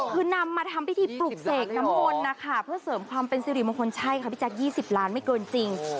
คือนำมาทำพิธีปลุกเสกน้ำมนต์นะคะเพื่อเสริมความเป็นสิริมงคลใช่ค่ะพี่แจ๊ค๒๐ล้านไม่เกินจริง